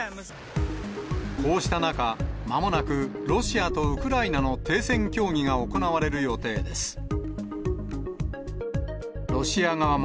こうした中、まもなくロシアとウクライナの停戦協議が行われる予定です。